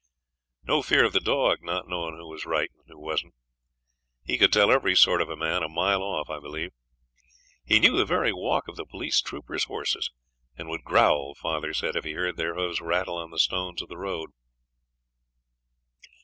No fear of the dog not knowing who was right and who wasn't. He could tell every sort of a man a mile off, I believe. He knew the very walk of the police troopers' horses, and would growl, father said, if he heard their hoofs rattle on the stones of the road.